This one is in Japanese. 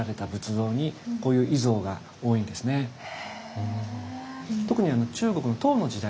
へえ。